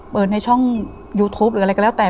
ในช่องยูทูปหรืออะไรก็แล้วแต่